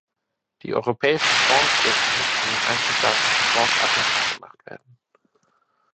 Die europäischen Fonds dürfen nicht von den einzelstaatlichen Fonds abhängig gemacht werden.